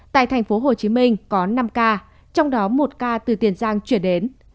tại thành phố hồ chí minh có năm ca trong đó một ca từ tiền giang chuyển đến